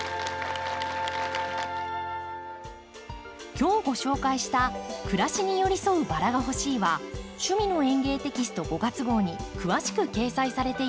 今日ご紹介した「暮らしに寄り添うバラがほしい」は「趣味の園芸」テキスト５月号に詳しく掲載されています。